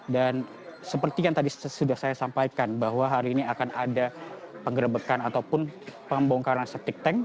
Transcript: dan seperti yang tadi sudah saya sampaikan bahwa hari ini akan ada penggerebekan ataupun pembongkaran septic tank